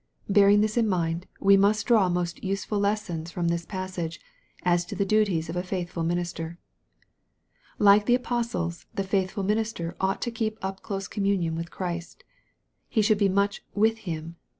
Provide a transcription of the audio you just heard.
Bearing this in mind, we may draw most useful lessons from this passage, as to the duties of a faithful minister. Like the apostles, the faithful minister ought to keep up close communion with Christ. He should be much " with Him."